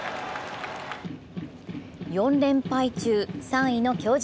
４連敗中、３位の巨人。